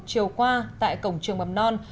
chiều qua tại cổng trường mầm non